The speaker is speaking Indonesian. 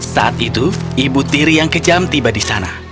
saat itu ibu tiri yang kejam tiba di sana